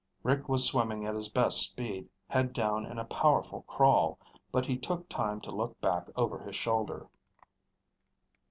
Rick was swimming at his best speed, head down in a powerful crawl, but he took time to look back over his shoulder.